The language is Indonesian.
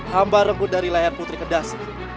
hamba renggut dari leher putri kedasi